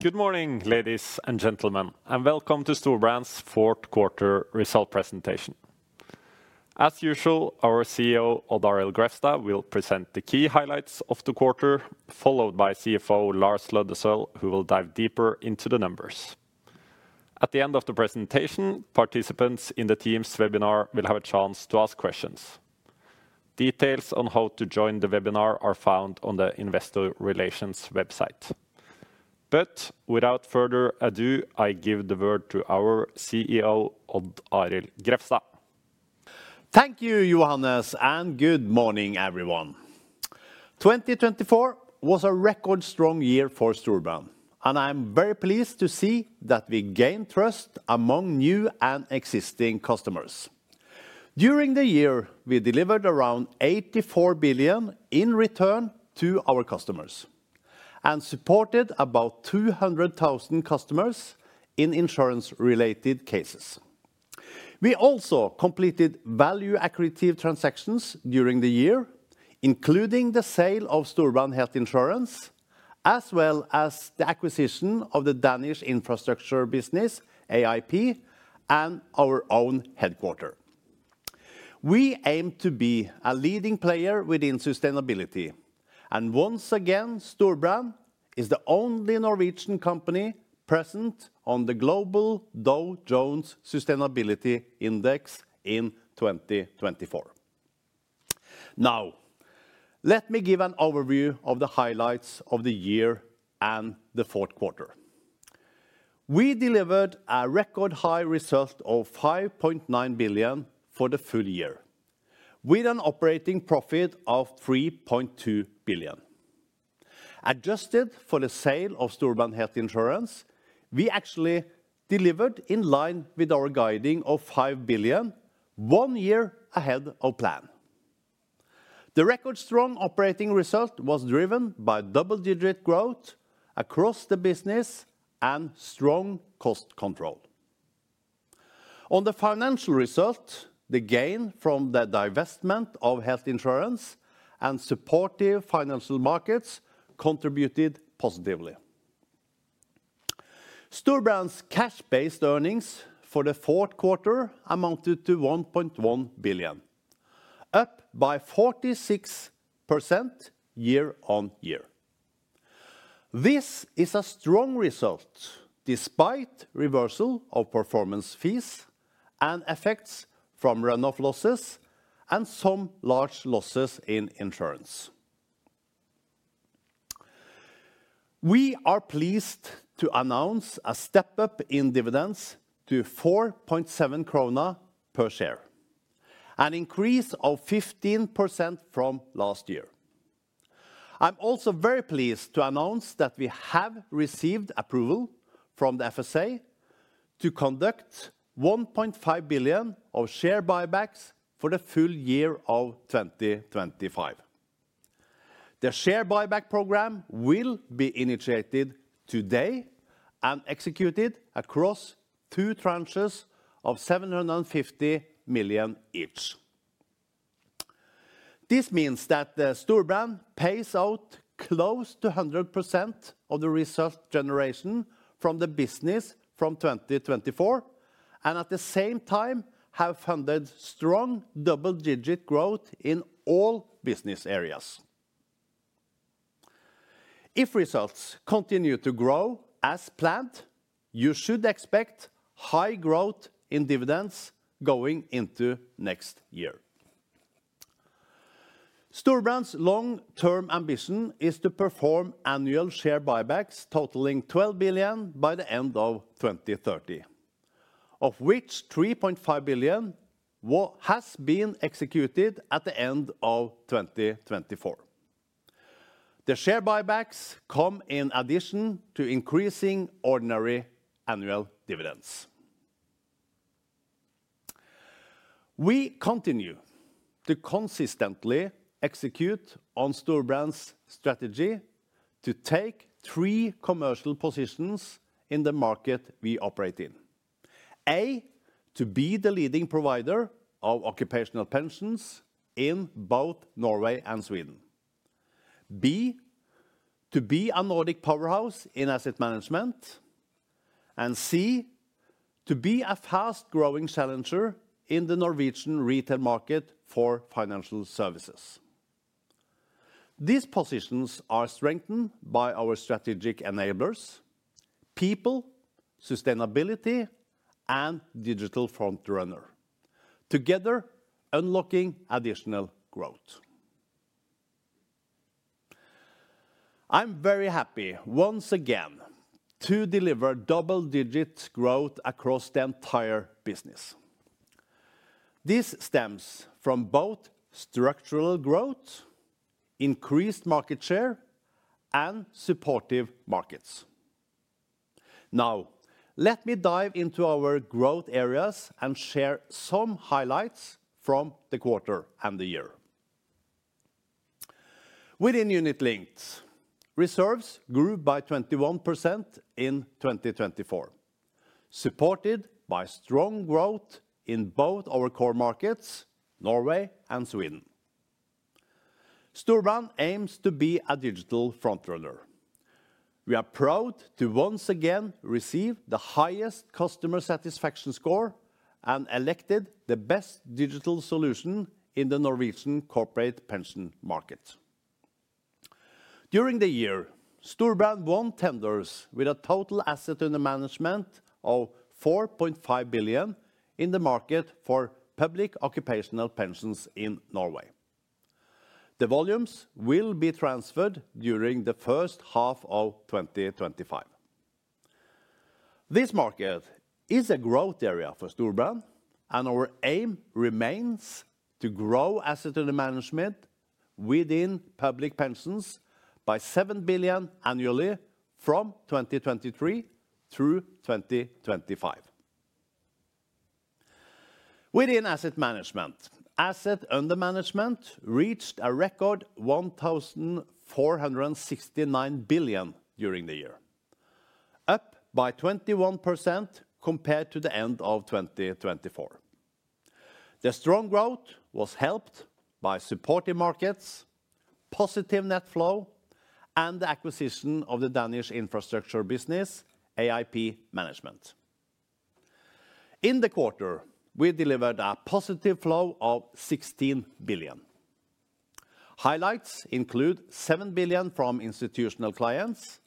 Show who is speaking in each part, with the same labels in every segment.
Speaker 1: Good morning, ladies and gentlemen, and welcome to Storebrand's fourth quarter result presentation. As usual, our CEO, Odd Arild Grefstad, will present the key highlights of the quarter, followed by CFO Lars Løddesøl, who will dive deeper into the numbers. At the end of the presentation, participants in the Teams webinar will have a chance to ask questions. Details on how to join the webinar are found on the Investor Relations website. But without further ado, I give the word to our CEO, Odd Arild Grefstad.
Speaker 2: Thank you, Johannes, and good morning, everyone. 2024 was a record-strong year for Storebrand, and I'm very pleased to see that we gained trust among new and existing customers. During the year, we delivered around 84 billion in return to our customers and supported about 200,000 customers in insurance-related cases. We also completed value-accretive transactions during the year, including the sale of Storebrand Health Insurance, as well as the acquisition of the Danish infrastructure business, AIP, and our own headquarters. We aim to be a leading player within sustainability, and once again, Storebrand is the only Norwegian company present on the Dow Jones Sustainability World Index in 2024. Now, let me give an overview of the highlights of the year and the fourth quarter. We delivered a record-high result of 5.9 billion for the full year, with an operating profit of 3.2 billion. Adjusted for the sale of Storebrand Health Insurance, we actually delivered in line with our guidance of 5 billion, one year ahead of plan. The record-strong operating result was driven by double-digit growth across the business and strong cost control. On the financial result, the gain from the divestment of Health Insurance and supportive financial markets contributed positively. Storebrand's cash-based earnings for the fourth quarter amounted to 1.1 billion, up by 46% year-on-year. This is a strong result despite reversal of performance fees and effects from run-off losses and some large losses in Insurance. We are pleased to announce a step-up in dividends to 4.7 krone per share, an increase of 15% from last year. I'm also very pleased to announce that we have received approval from the FSA to conduct 1.5 billion of share buybacks for the full year of 2025. The share buyback program will be initiated today and executed across two tranches of 750 million each. This means that Storebrand pays out close to 100% of the result generation from the business from 2024, and at the same time have funded strong double-digit growth in all business areas. If results continue to grow as planned, you should expect high growth in dividends going into next year. Storebrand's long-term ambition is to perform annual share buybacks totaling 12 billion by the end of 2030, of which 3.5 billion has been executed at the end of 2024. The share buybacks come in addition to increasing ordinary annual dividends. We continue to consistently execute on Storebrand's strategy to take three commercial positions in the market we operate in: A, to be the leading provider of occupational pensions in both Norway and Sweden; B, to be a Nordic powerhouse in Asset Management; and C, to be a fast-growing challenger in the Norwegian retail market for financial services. These positions are strengthened by our strategic enablers: people, sustainability, and digital frontrunner, together unlocking additional growth. I'm very happy once again to deliver double-digit growth across the entire business. This stems from both structural growth, increased market share, and supportive markets. Now, let me dive into our growth areas and share some highlights from the quarter and the year. Within Unit Linked, reserves grew by 21% in 2024, supported by strong growth in both our core markets, Norway and Sweden. Storebrand aims to be a digital frontrunner. We are proud to once again receive the highest customer satisfaction score and elected the best digital solution in the Norwegian corporate pension market. During the year, Storebrand won tenders with a total assets under management of 4.5 billion in the market for public occupational pensions in Norway. The volumes will be transferred during the first half of 2025. This market is a growth area for Storebrand, and our aim remains to grow assets under management within public pensions by 7 billion annually from 2023 through 2025. Within Asset Management, assets under management reached a record 1,469 billion during the year, up by 21% compared to the end of 2024. The strong growth was helped by supporting markets, positive net flow, and the acquisition of the Danish infrastructure business, AIP Management. In the quarter, we delivered a positive flow of 16 billion. Highlights include 7 billion from institutional clients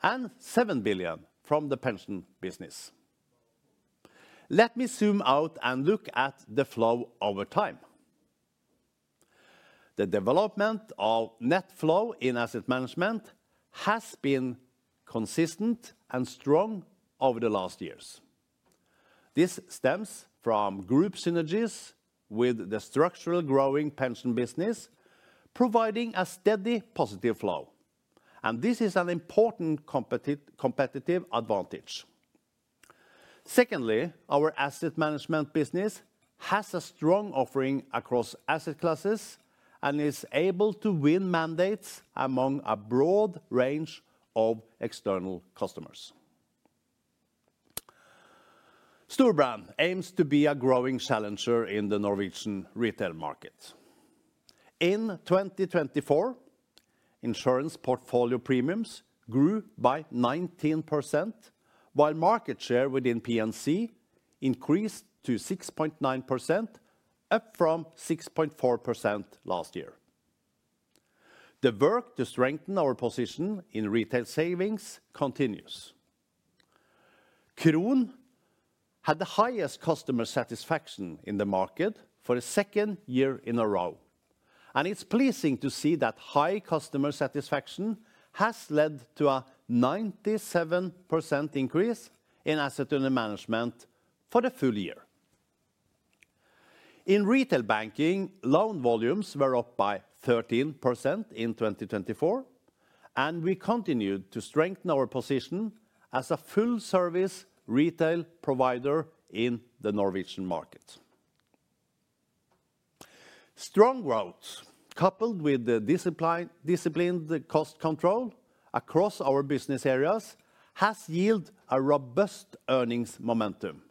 Speaker 2: and 7 billion from the pension business. Let me zoom out and look at the flow over time. The development of net flow in Asset Management has been consistent and strong over the last years. This stems from group synergies with the structurally growing pension business, providing a steady positive flow, and this is an important competitive advantage. Secondly, our Asset Management business has a strong offering across asset classes and is able to win mandates among a broad range of external customers. Storebrand aims to be a growing challenger in the Norwegian retail market. In 2024, Insurance portfolio premiums grew by 19%, while market share within P&C increased to 6.9%, up from 6.4% last year. The work to strengthen our position in retail savings continues. Kron had the highest customer satisfaction in the market for the second year in a row, and it's pleasing to see that high customer satisfaction has led to a 97% increase in asset under management for the full year. In retail banking, loan volumes were up by 13% in 2024, and we continued to strengthen our position as a full-service retail provider in the Norwegian market. Strong growth, coupled with disciplined cost control across our business areas, has yielded a robust earnings momentum.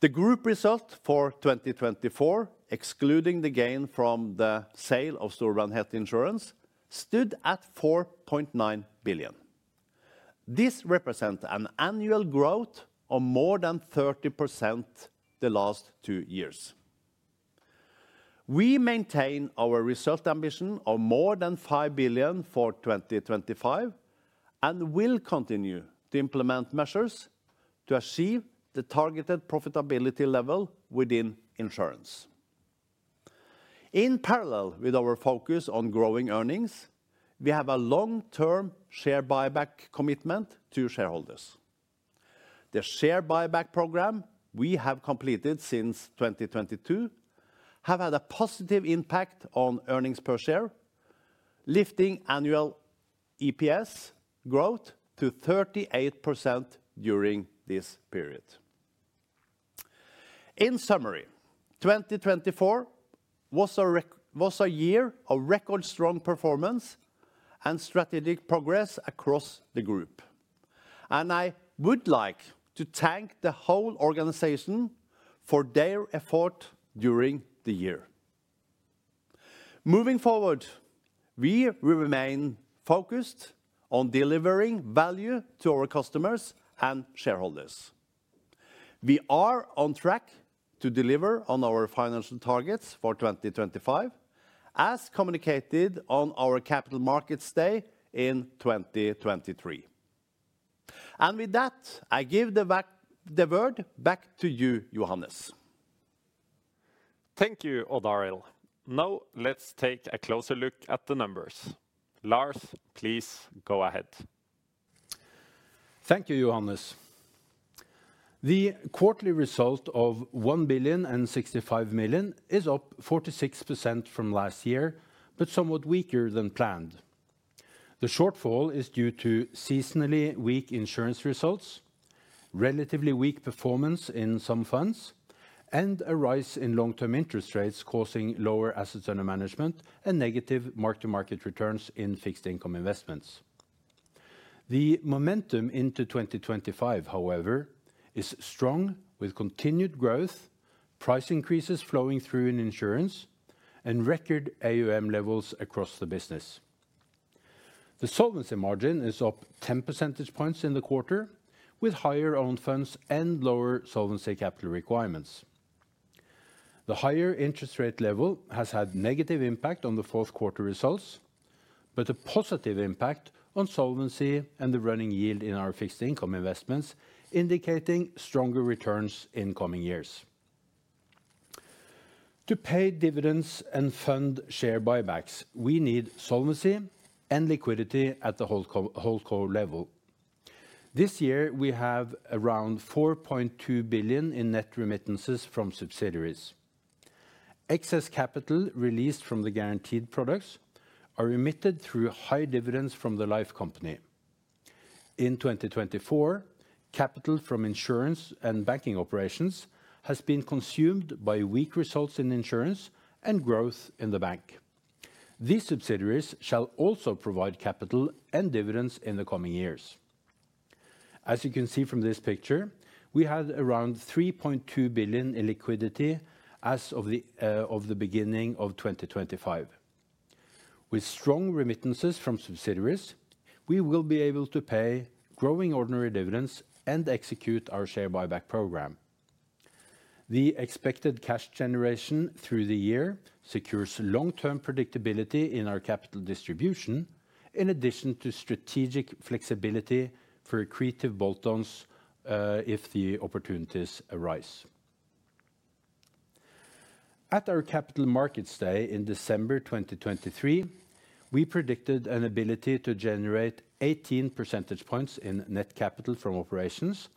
Speaker 2: The group result for 2024, excluding the gain from the sale of Storebrand Health Insurance, stood at 4.9 billion. This represents an annual growth of more than 30% the last two years. We maintain our result ambition of more than 5 billion for 2025 and will continue to implement measures to achieve the targeted profitability level within Insurance. In parallel with our focus on growing earnings, we have a long-term share buyback commitment to shareholders. The share buyback program we have completed since 2022 has had a positive impact on earnings per share, lifting annual EPS growth to 38% during this period. In summary, 2024 was a year of record-strong performance and strategic progress across the group, and I would like to thank the whole organization for their effort during the year. Moving forward, we remain focused on delivering value to our customers and shareholders. We are on track to deliver on our financial targets for 2025, as communicated on our Capital Markets Day in 2023, and with that, I give the word back to you, Johannes.
Speaker 1: Thank you, Odd Arild. Now, let's take a closer look at the numbers. Lars, please go ahead.
Speaker 3: Thank you, Johannes. The quarterly result of 1,065 million is up 46% from last year, but somewhat weaker than planned. The shortfall is due to seasonally weak insurance results, relatively weak performance in some funds, and a rise in long-term interest rates causing lower assets under management and negative mark-to-market returns in fixed-income investments. The momentum into 2025, however, is strong, with continued growth, price increases flowing through in Insurance, and record AUM levels across the business. The solvency margin is up 10 percentage points in the quarter, with higher own funds and lower solvency capital requirements. The higher interest rate level has had a negative impact on the fourth quarter results, but a positive impact on solvency and the running yield in our fixed-income investments, indicating stronger returns in coming years. To pay dividends and fund share buybacks, we need solvency and liquidity at the HoldCo level. This year, we have around 4.2 billion in net remittances from subsidiaries. Excess capital released from the Guaranteed products are emitted through high dividends from the life company. In 2024, capital from Insurance and banking operations has been consumed by weak results in Insurance and growth in the bank. These subsidiaries shall also provide capital and dividends in the coming years. As you can see from this picture, we had around 3.2 billion in liquidity as of the beginning of 2025. With strong remittances from subsidiaries, we will be able to pay growing ordinary dividends and execute our share buyback program. The expected cash generation through the year secures long-term predictability in our capital distribution, in addition to strategic flexibility for accretive bolt-ons if the opportunities arise. At our Capital Markets Day in December 2023, we predicted an ability to generate 18 percentage points in net capital from operations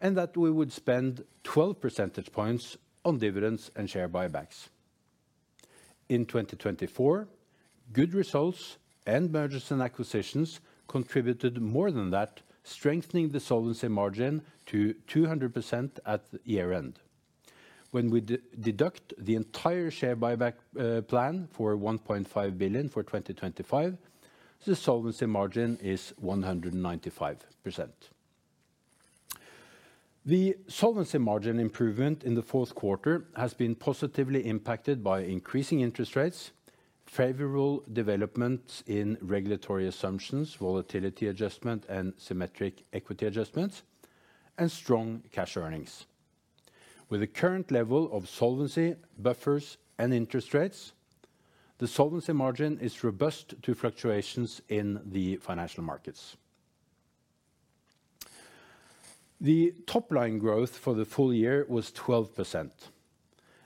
Speaker 3: and that we would spend 12 percentage points on dividends and share buybacks. In 2024, good results and mergers and acquisitions contributed more than that, strengthening the solvency margin to 200% at year-end. When we deduct the entire share buyback plan for 1.5 billion for 2025, the solvency margin is 195%. The solvency margin improvement in the fourth quarter has been positively impacted by increasing interest rates, favorable developments in regulatory assumptions, volatility adjustment, and symmetric equity adjustments, and strong cash earnings. With the current level of solvency, buffers, and interest rates, the solvency margin is robust to fluctuations in the financial markets. The top-line growth for the full year was 12%.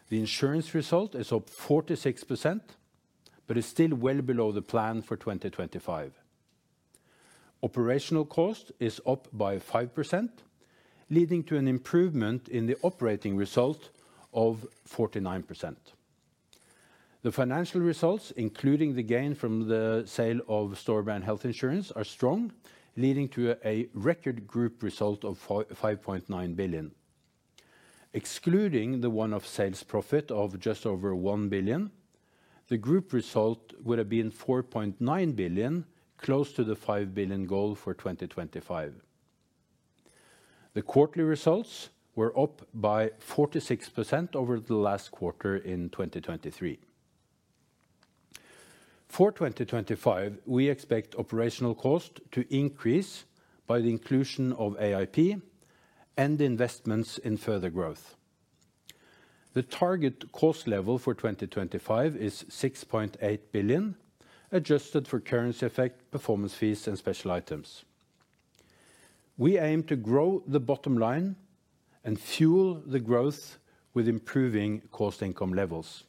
Speaker 3: The Insurance result is up 46%, but is still well below the plan for 2025. Operational cost is up by 5%, leading to an improvement in the operating result of 49%. The financial results, including the gain from the sale of Storebrand Health Insurance, are strong, leading to a record group result of 5.9 billion. Excluding the one-off sales profit of just over 1 billion, the group result would have been 4.9 billion, close to the 5 billion goal for 2025. The quarterly results were up by 46% over the last quarter in 2023. For 2025, we expect operational cost to increase by the inclusion of AIP and investments in further growth. The target cost level for 2025 is 6.8 billion, adjusted for currency effect, performance fees, and special items. We aim to grow the bottom line and fuel the growth with improving cost-income levels.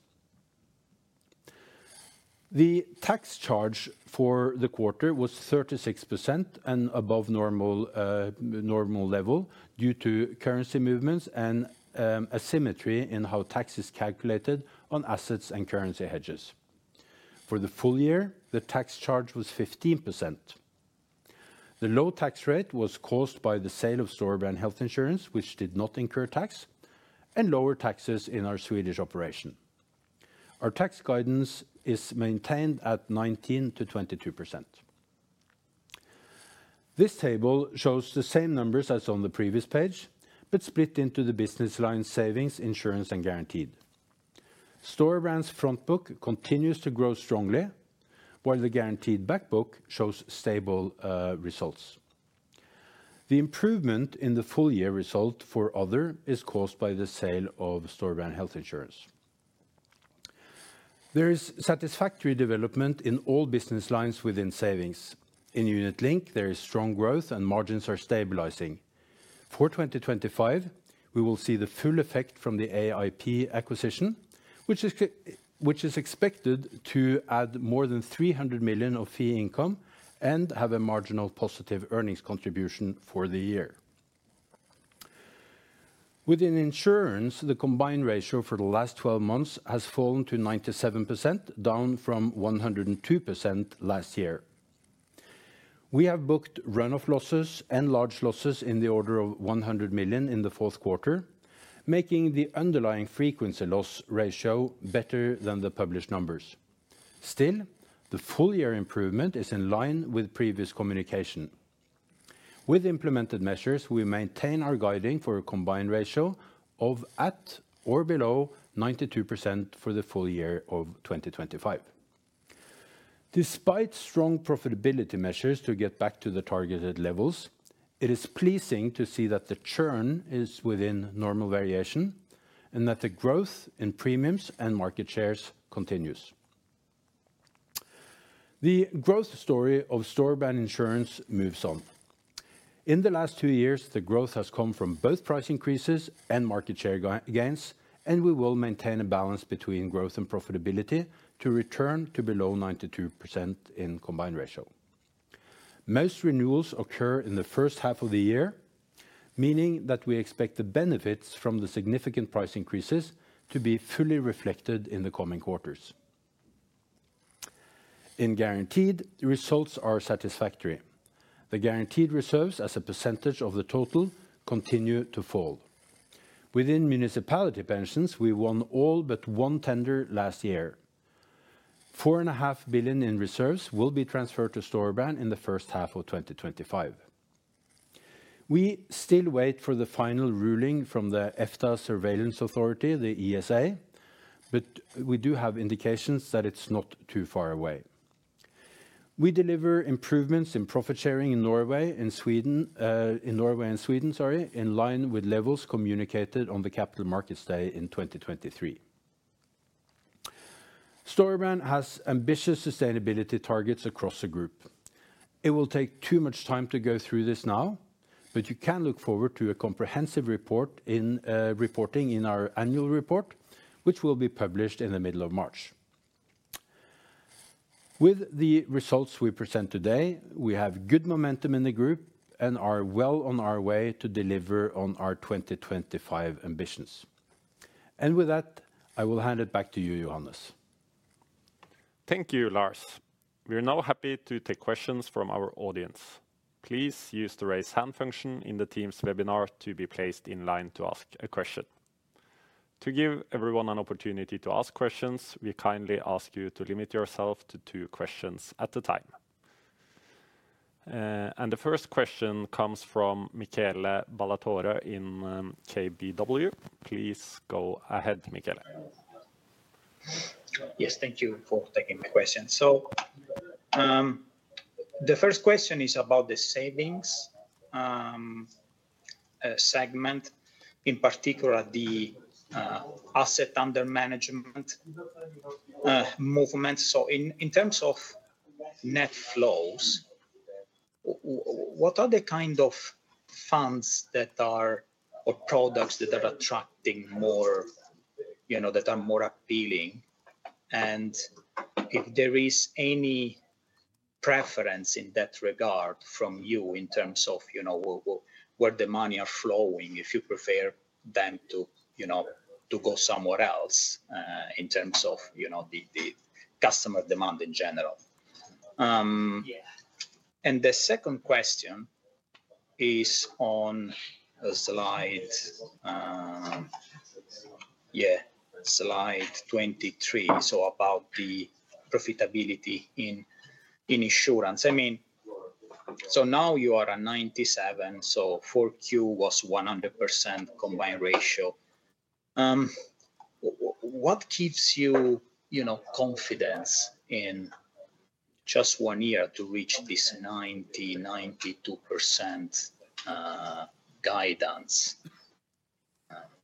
Speaker 3: The tax charge for the quarter was 36% and above normal level due to currency movements and asymmetry in how taxes calculated on assets and currency hedges. For the full year, the tax charge was 15%. The low tax rate was caused by the sale of Storebrand Health Insurance, which did not incur tax, and lower taxes in our Swedish operation. Our tax guidance is maintained at 19%-22%. This table shows the same numbers as on the previous page, but split into the Business Lines, Savings, Insurance, and Guaranteed. Storebrand's front book continues to grow strongly, while the guaranteed back book shows stable results. The improvement in the full-year result for Other is caused by the sale of Storebrand Health Insurance. There is satisfactory development in all business lines within Savings. In Unit Linked, there is strong growth and margins are stabilizing. For 2025, we will see the full effect from the AIP acquisition, which is expected to add more than 300 million of fee income and have a marginal positive earnings contribution for the year. Within Insurance, the combined ratio for the last 12 months has fallen to 97%, down from 102% last year. We have booked run-off losses and large losses in the order of 100 million in the fourth quarter, making the underlying frequency loss ratio better than the published numbers. Still, the full-year improvement is in line with previous communication. With implemented measures, we maintain our guiding for a combined ratio of at or below 92% for the full year of 2025. Despite strong profitability measures to get back to the targeted levels, it is pleasing to see that the churn is within normal variation and that the growth in premiums and market shares continues. The growth story of Storebrand Insurance moves on. In the last two years, the growth has come from both price increases and market share gains, and we will maintain a balance between growth and profitability to return to below 92% in combined ratio. Most renewals occur in the first half of the year, meaning that we expect the benefits from the significant price increases to be fully reflected in the coming quarters. In guaranteed, the results are satisfactory. The guaranteed reserves as a percentage of the total continue to fall. Within municipality pensions, we won all but one tender last year. 4.5 billion in reserves will be transferred to Storebrand in the first half of 2025. We still wait for the final ruling from the EFTA Surveillance Authority, the ESA, but we do have indications that it's not too far away. We deliver improvements in profit sharing in Norway and Sweden, in Norway and Sweden, sorry, in line with levels communicated on the Capital Markets Day in 2023. Storebrand has ambitious sustainability targets across the group. It will take too much time to go through this now, but you can look forward to a comprehensive report in reporting in our annual report, which will be published in the middle of March. With the results we present today, we have good momentum in the group and are well on our way to deliver on our 2025 ambitions. And with that, I will hand it back to you, Johannes.
Speaker 1: Thank you, Lars. We are now happy to take questions from our audience. Please use the raise hand function in the Teams webinar to be placed in line to ask a question. To give everyone an opportunity to ask questions, we kindly ask you to limit yourself to two questions at a time. And the first question comes from Michele Ballatore in KBW. Please go ahead, Michele.
Speaker 4: Yes, thank you for taking my question. So the first question is about the Savings segment, in particular the asset under management movement. So in terms of net flows, what are the kind of funds that are or products that are attracting more, you know, that are more appealing? And if there is any preference in that regard from you in terms of, you know, where the money are flowing, if you prefer them to, you know, to go somewhere else in terms of, you know, the customer demand in general. And the second question is on slide, yeah, slide 23, so about the profitability in Insurance. I mean, so now you are at 97%, so 4Q was 100% combined ratio. What gives you, you know, confidence in just one year to reach this 90%-92% guidance?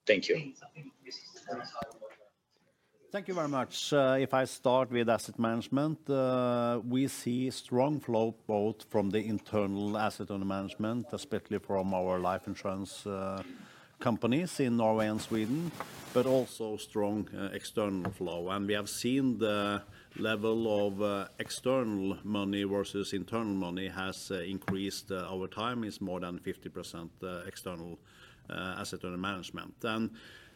Speaker 4: Thank you.
Speaker 2: Thank you very much. If I start with Asset Management, we see strong flow both from the internal asset under management, especially from our life Insurance companies in Norway and Sweden, but also strong external flow, and we have seen the level of external money versus internal money has increased over time. It's more than 50% external asset under management.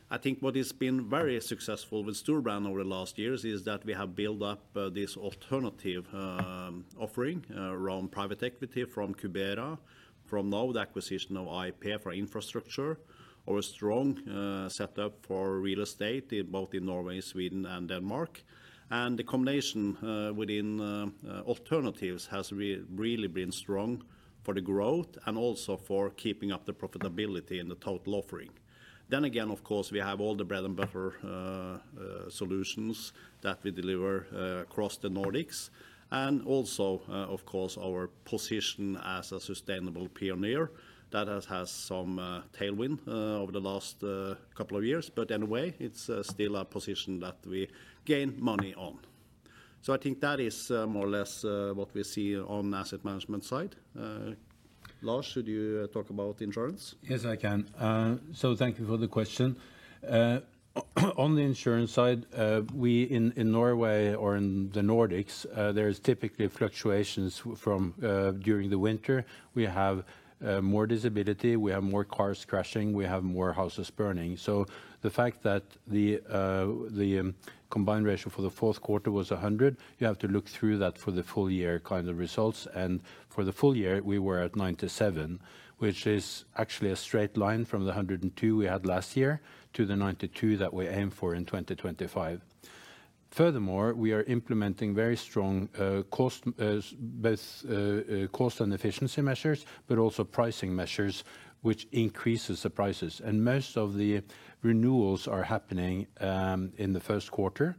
Speaker 2: I think what has been very successful with Storebrand over the last years is that we have built up this alternative offering around private equity from Cubera, from now the acquisition of AIP for infrastructure, or a strong setup for real estate both in Norway, Sweden, and Denmark. The combination within alternatives has really been strong for the growth and also for keeping up the profitability in the total offering. Of course, we have all the bread and butter solutions that we deliver across the Nordics. And also, of course, our position as a sustainable pioneer that has had some tailwind over the last couple of years, but in a way, it's still a position that we gain money on. So I think that is more or less what we see on the Asset Management side. Lars, should you talk about Insurance?
Speaker 3: Yes, I can. So thank you for the question. On the Insurance side, we in Norway or in the Nordics, there is typically fluctuations from during the winter. We have more disability, we have more cars crashing, we have more houses burning. So the fact that the combined ratio for the fourth quarter was 100, you have to look through that for the full year kind of results. And for the full year, we were at 97, which is actually a straight line from the 102 we had last year to the 92 that we aim for in 2025. Furthermore, we are implementing very strong cost, both cost and efficiency measures, but also pricing measures, which increases the prices. And most of the renewals are happening in the first quarter.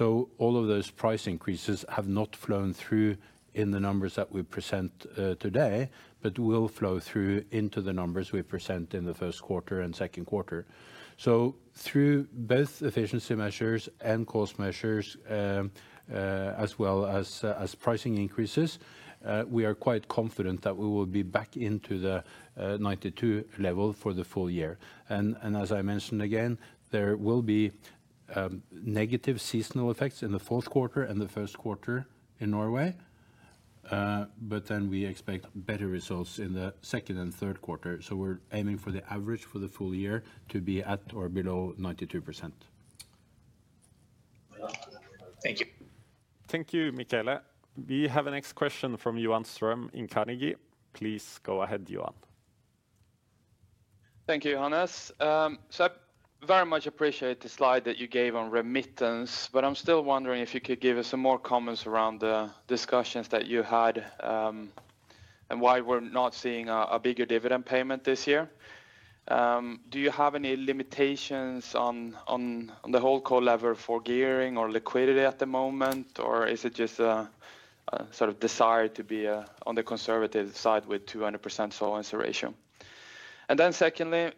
Speaker 3: All of those price increases have not flown through in the numbers that we present today, but will flow through into the numbers we present in the first quarter and second quarter. Through both efficiency measures and cost measures, as well as pricing increases, we are quite confident that we will be back into the 92 level for the full year. As I mentioned again, there will be negative seasonal effects in the fourth quarter and the first quarter in Norway, but then we expect better results in the second and third quarter. We're aiming for the average for the full year to be at or below 92%.
Speaker 1: Thank you. Thank you, Michele. We have a next question from Johan Ström in Carnegie. Please go ahead, Johan.
Speaker 5: Thank you, Johannes. So I very much appreciate the slide that you gave on remuneration, but I'm still wondering if you could give us some more comments around the discussions that you had and why we're not seeing a bigger dividend payment this year. Do you have any limitations on the HoldCo level for gearing or liquidity at the moment, or is it just a sort of desire to be on the conservative side with 200% solvency ratio? And then secondly,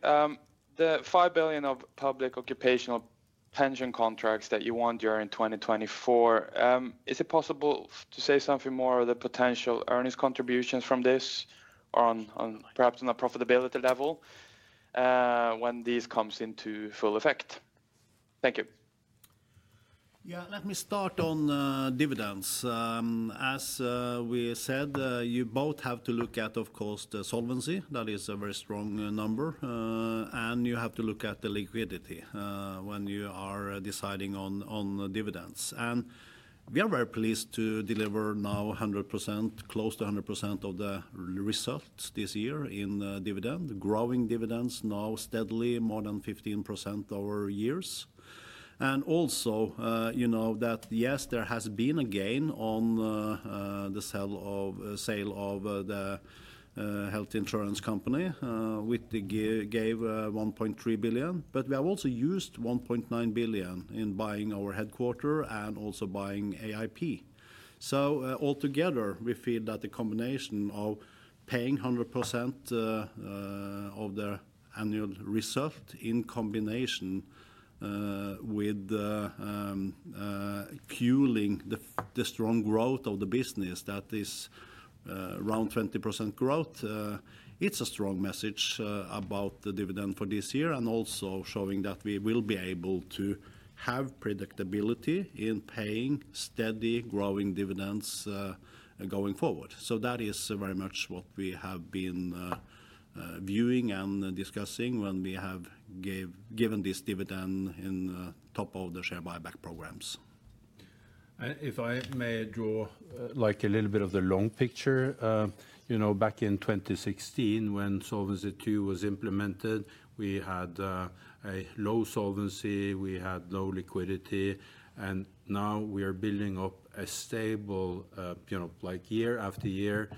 Speaker 5: the 5 billion of public occupational pension contracts that you want during 2024, is it possible to say something more of the potential earnings contributions from this or perhaps on a profitability level when these come into full effect? Thank you.
Speaker 2: Yeah, let me start on dividends. As we said, you both have to look at, of course, the solvency. That is a very strong number. And you have to look at the liquidity when you are deciding on dividends. And we are very pleased to deliver now 100%, close to 100% of the result this year in dividend, growing dividends now steadily more than 15% over years. And also, you know, that yes, there has been a gain on the sale of the Health Insurance company which gave 1.3 billion, but we have also used 1.9 billion in buying our headquarters and also buying AIP. So altogether, we feel that the combination of paying 100% of the annual result in combination with coupling the strong growth of the business that is around 20% growth. It's a strong message about the dividend for this year and also showing that we will be able to have predictability in paying steady growing dividends going forward. So that is very much what we have been viewing and discussing when we have given this dividend in top of the share buyback programs.
Speaker 3: And if I may draw like a little bit of the long picture, you know, back in 2016 when Solvency II was implemented, we had a low solvency, we had low liquidity, and now we are building up a stable, you know, like year after year,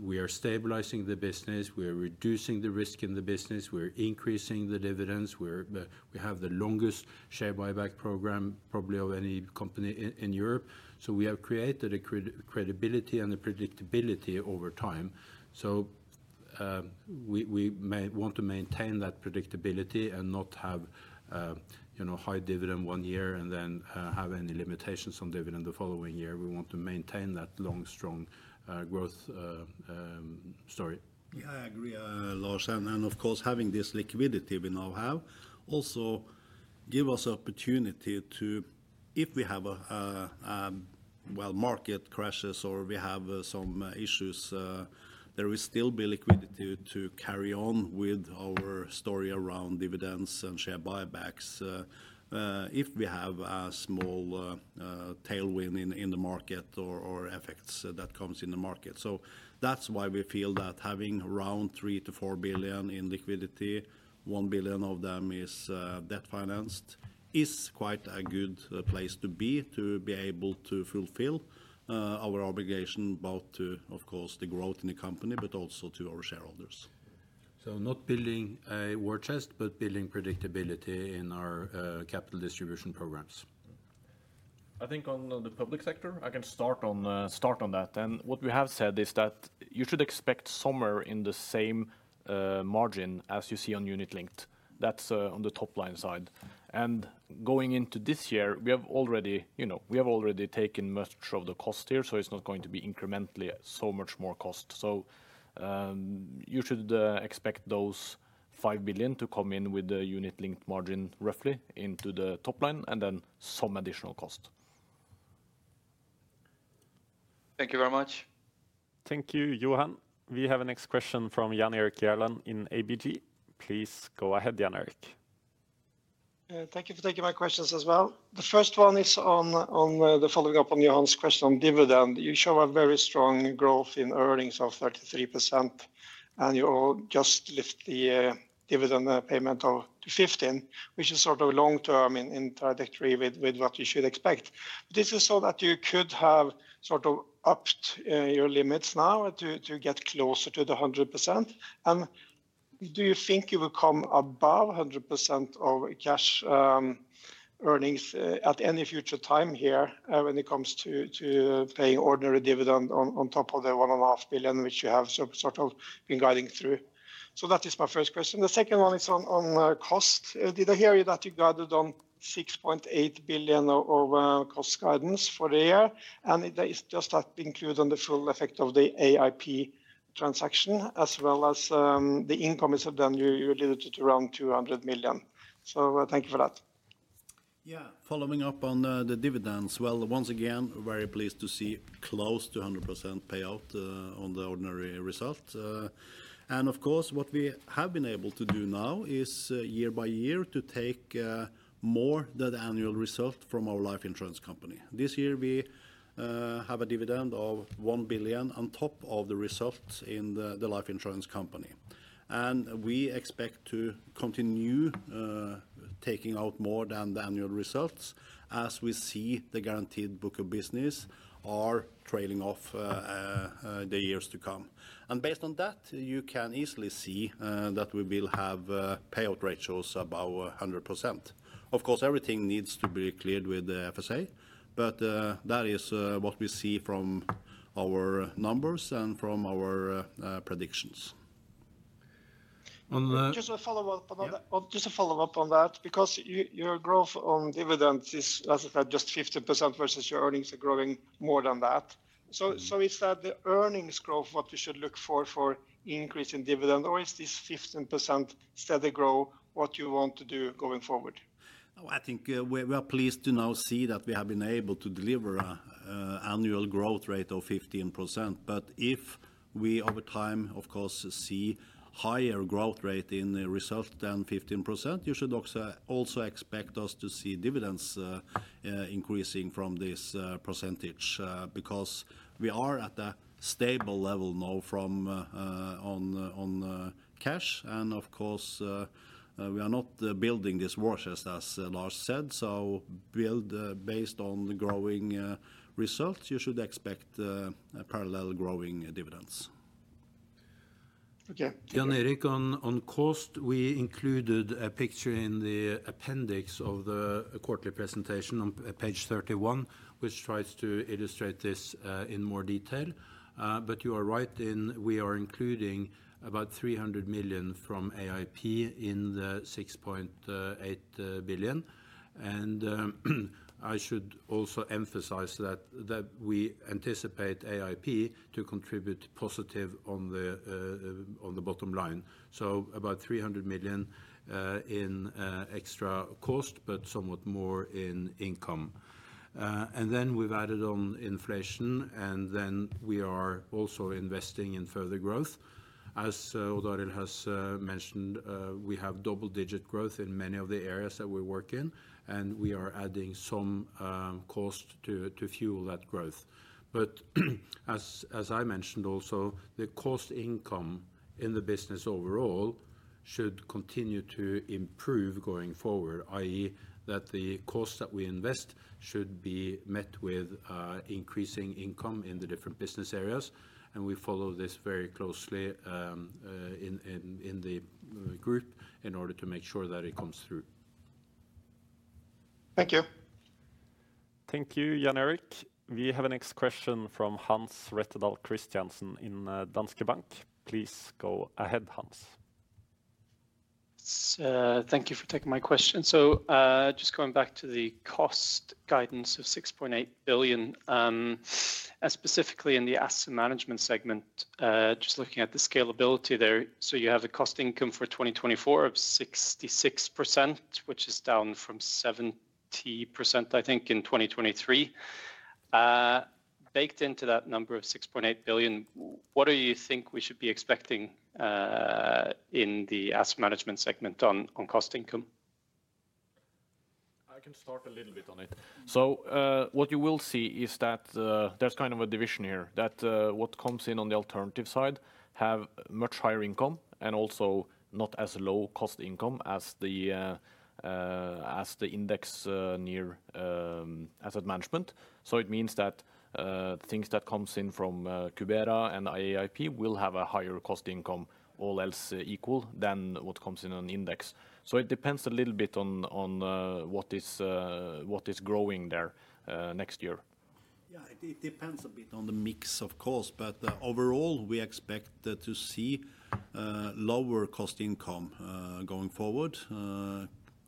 Speaker 3: we are stabilizing the business, we are reducing the risk in the business, we are increasing the dividends, we have the longest share buyback program probably of any company in Europe. So we have created a credibility and a predictability over time. So we may want to maintain that predictability and not have, you know, high dividend one year and then have any limitations on dividend the following year. We want to maintain that long, strong growth story.
Speaker 2: Yeah, I agree, Lars. And of course, having this liquidity we now have also gives us an opportunity to, if we have a well market crashes or we have some issues, there will still be liquidity to carry on with our story around dividends and share buybacks if we have a small tailwind in the market or effects that come in the market. So that's why we feel that having around 3-4 billion in liquidity, 1 billion of them is debt financed, is quite a good place to be able to fulfill our obligation both to, of course, the growth in the company, but also to our shareholders. So not building a war chest, but building predictability in our capital distribution programs.
Speaker 3: I think on the public sector, I can start on that. What we have said is that you should expect somewhere in the same margin as you see on unit linked. That's on the top line side. Going into this year, we have already, you know, we have already taken much of the cost here, so it's not going to be incrementally so much more cost. You should expect those 5 billion to come in with the unit linked margin roughly into the top line and then some additional cost.
Speaker 5: Thank you very much.
Speaker 1: Thank you, Johan. We have a next question from Jan Erik Gjerland in ABG. Please go ahead, Jan Erik.
Speaker 6: Thank you for taking my questions as well. The first one is on the following up on Johan's question on dividend. You show a very strong growth in earnings of 33%, and you just lift the dividend payment to 15, which is sort of long-term in trajectory with what you should expect. This is so that you could have sort of upped your limits now to get closer to the 100%. And do you think you will come above 100% of cash earnings at any future time here when it comes to paying ordinary dividend on top of the 1.5 billion, which you have sort of been guiding through? So that is my first question. The second one is on cost. Did I hear that you guided on 6.8 billion of cost guidance for the year? And is that included in the full effect of the AIP transaction, as well as the income you alluded to around 200 million? So thank you for that.
Speaker 2: Yeah, following up on the dividends. Well, once again, very pleased to see close to 100% payout on the ordinary result. And of course, what we have been able to do now is year by year to take more than the annual result from our Life Insurance company. This year, we have a dividend of 1 billion on top of the result in the Life Insurance company. And we expect to continue taking out more than the annual results as we see the Guaranteed book of business are trailing off the years to come. And based on that, you can easily see that we will have payout ratios above 100%. Of course, everything needs to be cleared with the FSA, but that is what we see from our numbers and from our predictions.
Speaker 6: Just a follow-up on that, because your growth on dividends is, as I said, just 15% versus your earnings are growing more than that. So is that the earnings growth what we should look for for increasing dividend, or is this 15% steady growth what you want to do going forward?
Speaker 2: I think we are pleased to now see that we have been able to deliver an annual growth rate of 15%. But if we over time, of course, see higher growth rate in the result than 15%, you should also expect us to see dividends increasing from this percentage because we are at a stable level now from ongoing cash. And of course, we are not building this war chest, as Lars said. So based on the growing results, you should expect parallel growing dividends.
Speaker 6: Okay.
Speaker 3: Jan Erik, on cost, we included a picture in the appendix of the quarterly presentation on page 31, which tries to illustrate this in more detail. But you are right in we are including about 300 million from AIP in the 6.8 billion. And I should also emphasize that we anticipate AIP to contribute positive on the bottom line. So about 300 million in extra cost, but somewhat more in income. And then we've added on inflation, and then we are also investing in further growth. As Odd Arild has mentioned, we have double-digit growth in many of the areas that we work in, and we are adding some cost to fuel that growth. But as I mentioned also, the cost income in the business overall should continue to improve going forward, i.e., that the cost that we invest should be met with increasing income in the different business areas. We follow this very closely in the group in order to make sure that it comes through.
Speaker 6: Thank you.
Speaker 1: Thank you, Jan Erik. We have a next question from Hans Rettedal Christiansen in Danske Bank. Please go ahead, Hans.
Speaker 7: Thank you for taking my question. So just going back to the cost guidance of 6.8 billion, specifically in the Asset Management segment, just looking at the scalability there. So you have a cost income for 2024 of 66%, which is down from 70%, I think, in 2023. Baked into that number of 6.8 billion, what do you think we should be expecting in the Asset Management segment on cost income?
Speaker 3: I can start a little bit on it. So what you will see is that there's kind of a division here that what comes in on the alternative side have much higher income and also not as low cost income as the index-near Asset Management. So it means that things that come in from Cubera and AIP will have a higher cost income, all else equal than what comes in an index. So it depends a little bit on what is growing there next year.
Speaker 2: Yeah, it depends a bit on the mix, of course, but overall we expect to see lower cost income going forward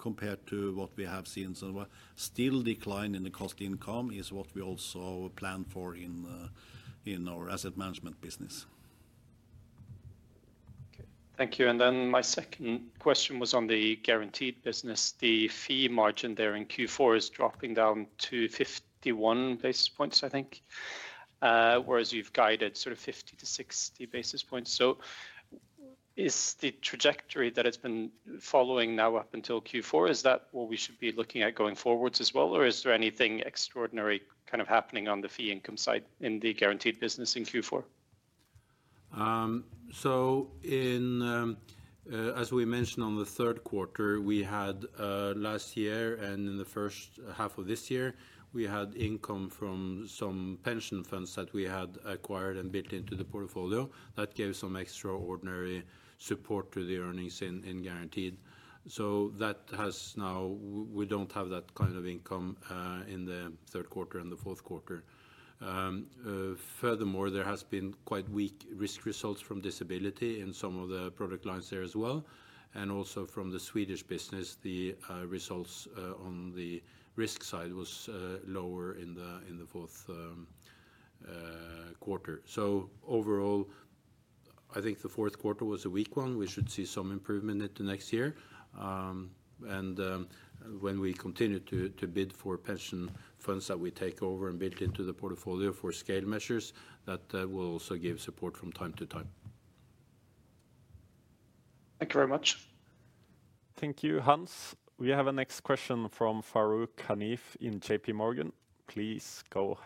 Speaker 2: compared to what we have seen. So still decline in the cost income is what we also plan for in our Asset Management business.
Speaker 7: Okay, thank you. And then my second question was on the Guaranteed business. The fee margin there in Q4 is dropping down to 51 basis points, I think, whereas you've guided sort of 50-60 basis points. So is the trajectory that it's been following now up until Q4, is that what we should be looking at going forwards as well, or is there anything extraordinary kind of happening on the fee income side in the Guaranteed business in Q4?
Speaker 3: As we mentioned on the third quarter, we had last year and in the first half of this year, we had income from some pension funds that we had acquired and built into the portfolio that gave some extraordinary support to the earnings in guaranteed. So that has now, we don't have that kind of income in the third quarter and the fourth quarter. Furthermore, there has been quite weak risk results from disability in some of the product lines there as well. And also from the Swedish business, the results on the risk side was lower in the fourth quarter. So overall, I think the fourth quarter was a weak one. We should see some improvement in the next year. When we continue to bid for pension funds that we take over and build into the portfolio for scale measures, that will also give support from time to time.
Speaker 7: Thank you very much.
Speaker 1: Thank you, Hans. We have a next question from Farooq Hanif in JPMorgan. Please go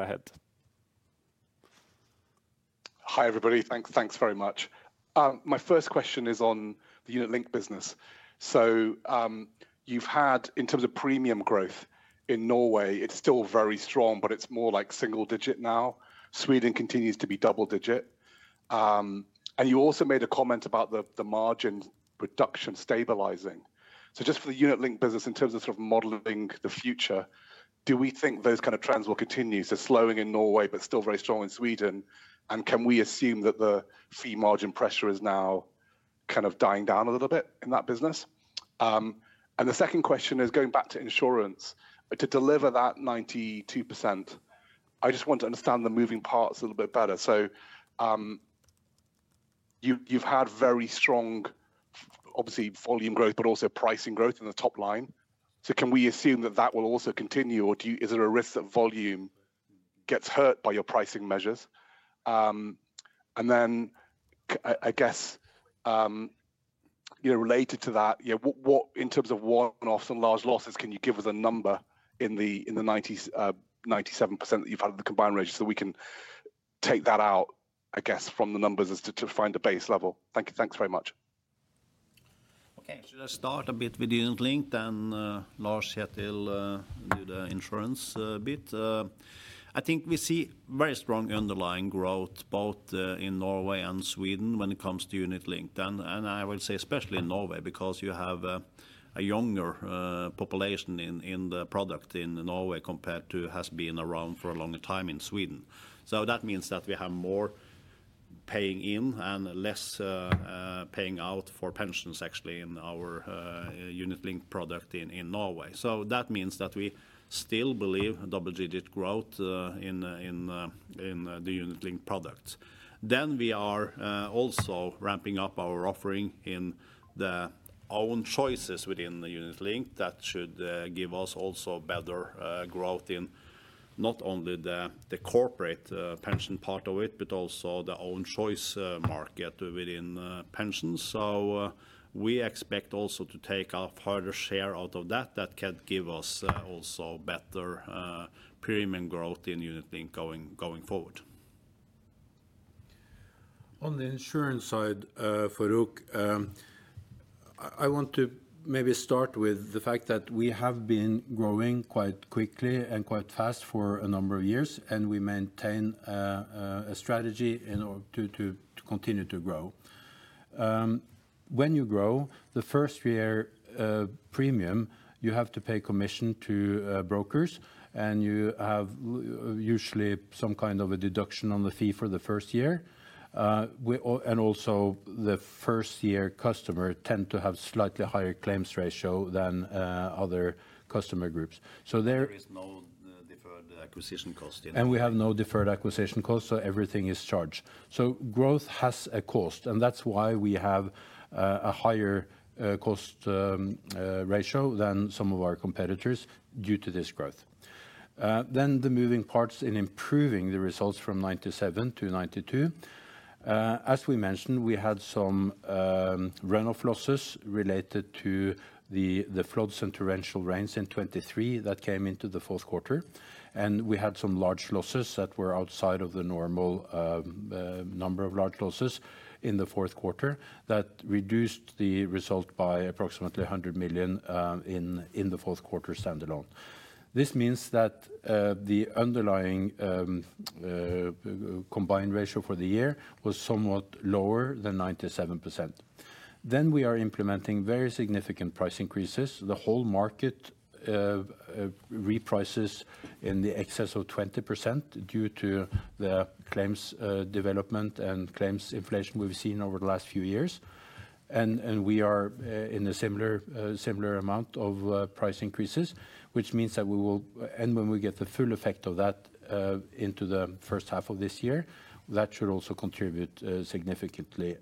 Speaker 1: ahead.
Speaker 8: Hi everybody, thanks very much. My first question is on the unit linked business. So you've had, in terms of premium growth in Norway, it's still very strong, but it's more like single digit now. Sweden continues to be double digit. And you also made a comment about the margin reduction stabilizing. So just for the unit linked business, in terms of sort of modeling the future, do we think those kind of trends will continue? So slowing in Norway, but still very strong in Sweden. And can we assume that the fee margin pressure is now kind of dying down a little bit in that business? And the second question is going back to Insurance, to deliver that 92%, I just want to understand the moving parts a little bit better. So you've had very strong, obviously volume growth, but also pricing growth in the top line. So can we assume that that will also continue, or is there a risk that volume gets hurt by your pricing measures? And then I guess, you know, related to that, in terms of one-offs and large losses, can you give us a number in the 97% that you've had in the combined ratio so we can take that out, I guess, from the numbers as to find a base level? Thank you, thanks very much.
Speaker 2: Okay, should I start a bit with unit linked and Lars here to do the Insurance bit? I think we see very strong underlying growth both in Norway and Sweden when it comes to unit linked. And I would say especially in Norway because you have a younger population in the product in Norway compared to has been around for a longer time in Sweden. So that means that we have more paying in and less paying out for pensions actually in our unit linked product in Norway. So that means that we still believe double-digit growth in the unit linked product. Then we are also ramping up our offering in the own choices within the unit linked that should give us also better growth in not only the corporate pension part of it, but also the own choice market within pensions. We expect also to take a further share out of that can give us also better premium growth in unit-linked going forward.
Speaker 3: On the Insurance side, Farooq, I want to maybe start with the fact that we have been growing quite quickly and quite fast for a number of years, and we maintain a strategy to continue to grow. When you grow, the first-year premium, you have to pay commission to brokers, and you have usually some kind of a deduction on the fee for the first year, and also the first-year customer tend to have slightly higher claims ratio than other customer groups. So there.
Speaker 2: There is no Deferred Acquisition Cost.
Speaker 3: We have no deferred acquisition cost, so everything is charged. Growth has a cost, and that's why we have a higher cost ratio than some of our competitors due to this growth. The moving parts in improving the results from 97 to 92. As we mentioned, we had some run-off losses related to the floods and torrential rains in 2023 that came into the fourth quarter. We had some large losses that were outside of the normal number of large losses in the fourth quarter that reduced the result by approximately 100 million in the fourth quarter standalone. This means that the underlying combined ratio for the year was somewhat lower than 97%. We are implementing very significant price increases. The whole market reprices in excess of 20% due to the claims development and claims inflation we've seen over the last few years. We are in a similar amount of price increases, which means that we will, and when we get the full effect of that into the first half of this year, that should also contribute significantly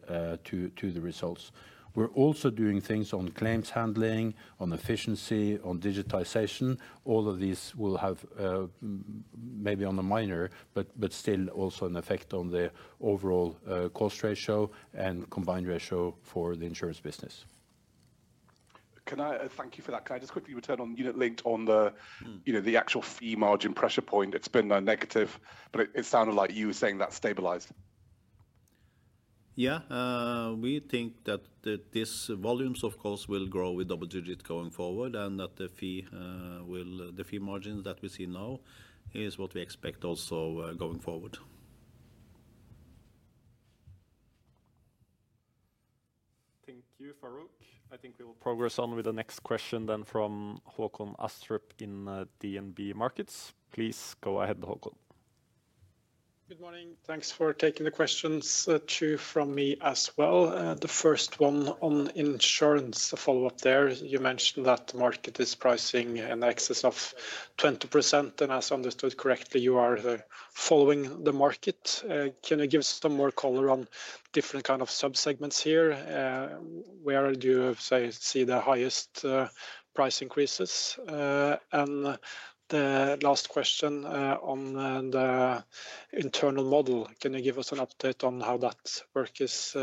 Speaker 3: to the results. We're also doing things on claims handling, on efficiency, on digitization. All of these will have maybe on a minor, but still also an effect on the overall cost ratio and combined ratio for the Insurance business.
Speaker 8: Thank you for that. Can I just quickly return on unit linked on the actual fee margin pressure point? It's been negative, but it sounded like you were saying that stabilized.
Speaker 3: Yeah, we think that this volumes, of course, will grow with double digit going forward and that the fee margins that we see now is what we expect also going forward.
Speaker 1: Thank you, Farooq. I think we will progress on with the next question then from Håkon Astrup in DNB Markets. Please go ahead, Håkon.
Speaker 9: Good morning. Thanks for taking the questions too from me as well. The first one on Insurance, a follow-up there. You mentioned that the market is pricing in excess of 20%, and as understood correctly, you are following the market. Can you give us some more color on different kind of subsegments here? Where do you see the highest price increases? And the last question on the internal model, can you give us an update on how that work is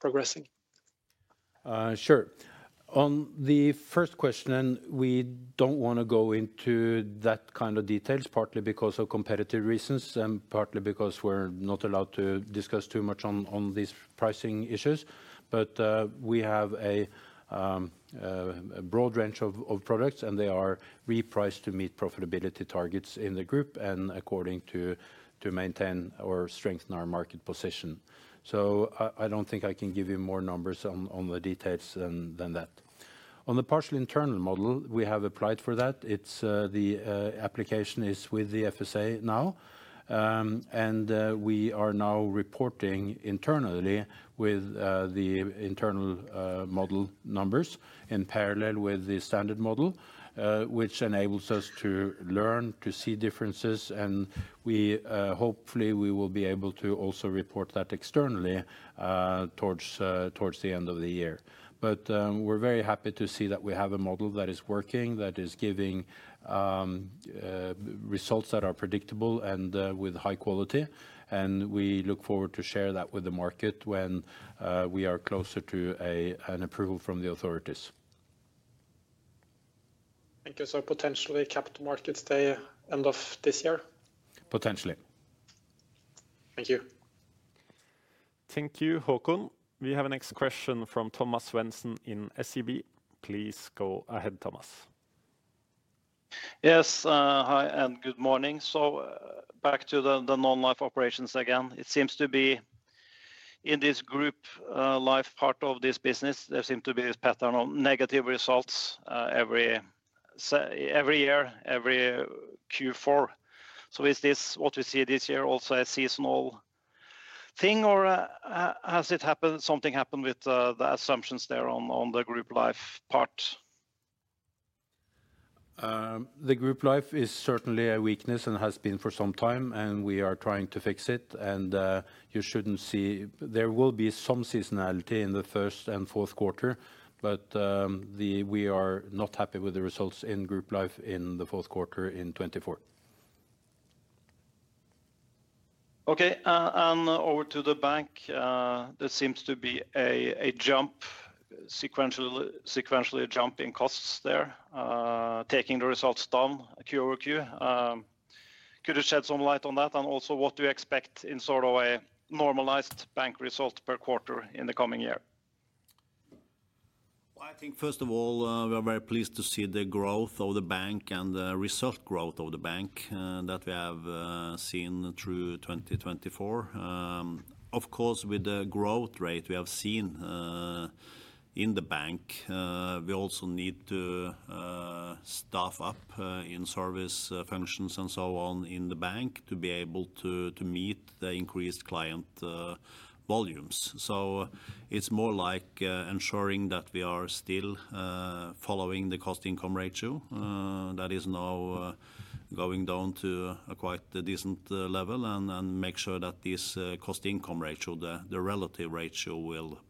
Speaker 9: progressing?
Speaker 3: Sure. On the first question, we don't want to go into that kind of details, partly because of competitive reasons and partly because we're not allowed to discuss too much on these pricing issues. But we have a broad range of products, and they are repriced to meet profitability targets in the group and according to maintain or strengthen our market position. So I don't think I can give you more numbers on the details than that. On the partial internal model, we have applied for that. The application is with the FSA now, and we are now reporting internally with the internal model numbers in parallel with the standard model, which enables us to learn, to see differences, and hopefully we will be able to also report that externally towards the end of the year. But we're very happy to see that we have a model that is working, that is giving results that are predictable and with high quality. And we look forward to share that with the market when we are closer to an approval from the authorities.
Speaker 9: Thank you. So potentially Capital Markets Day end of this year?
Speaker 3: Potentially.
Speaker 9: Thank you.
Speaker 1: Thank you, Håkon. We have a next question from Thomas Svendsen in SEB. Please go ahead, Thomas.
Speaker 10: Yes, hi and good morning. So back to the non-life operations again. It seems to be in this group life part of this business, there seem to be this pattern of negative results every year, every Q4. So is this what we see this year also a seasonal thing, or has it happened, something happened with the assumptions there on the group life part?
Speaker 3: The group life is certainly a weakness and has been for some time, and we are trying to fix it, and you shouldn't see there will be some seasonality in the first and fourth quarter, but we are not happy with the results in group life in the fourth quarter in 2024.
Speaker 10: Okay, and over to the bank. There seems to be a jump, sequentially a jump in costs there, taking the results down Q-over-Q. Could you shed some light on that and also what do you expect in sort of a normalized bank result per quarter in the coming year?
Speaker 2: I think first of all, we are very pleased to see the growth of the bank and the result growth of the bank that we have seen through 2024. Of course, with the growth rate we have seen in the bank, we also need to staff up in service functions and so on in the bank to be able to meet the increased client volumes. It's more like ensuring that we are still following the cost income ratio that is now going down to quite a decent level and make sure that this cost income ratio, the relative ratio will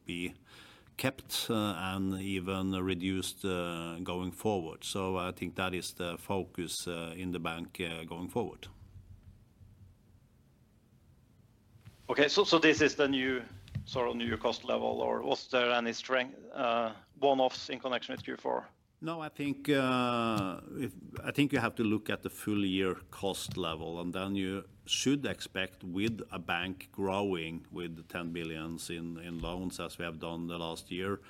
Speaker 2: be kept and even reduced going forward. I think that is the focus in the bank going forward.
Speaker 10: Okay, so this is the new sort of new cost level, or was there any strange one-offs in connection with Q4?
Speaker 2: No, I think you have to look at the full year cost level, and then you should expect with a bank growing with 10 billion in loans as we have done the last year,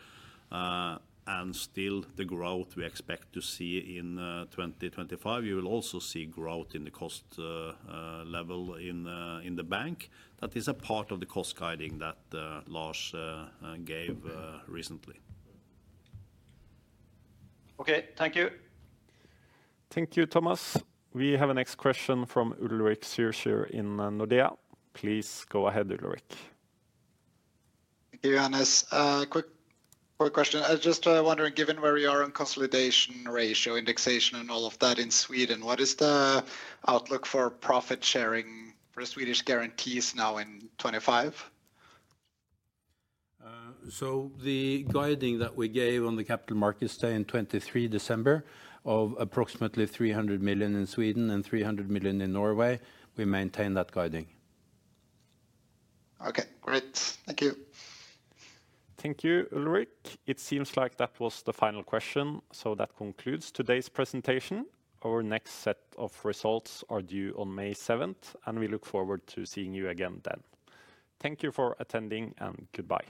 Speaker 2: and still the growth we expect to see in 2025, you will also see growth in the cost level in the bank. That is a part of the cost guidance that Lars gave recently.
Speaker 10: Okay, thank you.
Speaker 1: Thank you, Thomas. We have a next question from Ulrik Zürcher in Nordea. Please go ahead, Ulrik.
Speaker 11: Thank you, Johannes. Quick question. I was just wondering, given where we are on combined ratio, indexation, and all of that in Sweden, what is the outlook for profit sharing for the Swedish guarantees now in 2025?
Speaker 3: The guidance that we gave on the Capital Markets Day in December 2023 of approximately 300 million in Sweden and 300 million in Norway, we maintain that guidance.
Speaker 11: Okay, great. Thank you.
Speaker 1: Thank you, Ulrik. It seems like that was the final question, so that concludes today's presentation. Our next set of results are due on May 7th, and we look forward to seeing you again then. Thank you for attending and goodbye.